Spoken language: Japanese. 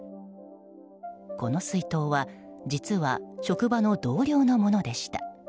この水筒は実は職場の同僚のものでした。